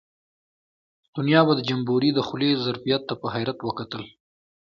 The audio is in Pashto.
دنیا به د جمبوري د خولې ظرفیت ته په حیرت وکتل.